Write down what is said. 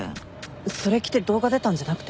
それ着て動画出たんじゃなくて？